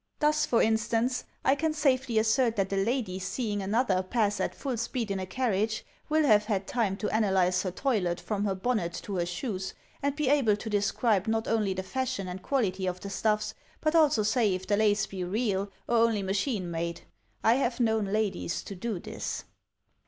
Thus, for instance, I can safely assert that a lady seeing another pass at full speed in a carriage, will have had time to analyze her toilet from her bonnet to her shoes, and be able to describe not only the fashion and quality of the stuffs, but also say if the lace be real or only machine made. I have known ladies to do this."